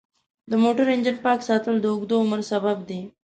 د موټر انجن پاک ساتل د اوږده عمر سبب دی.